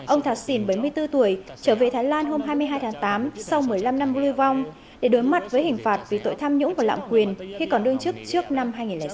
ông thạc xỉn bảy mươi bốn tuổi trở về thái lan hôm hai mươi hai tháng tám sau một mươi năm năm lưu vong để đối mặt với hình phạt vì tội tham nhũng và lạm quyền khi còn đương chức trước năm hai nghìn sáu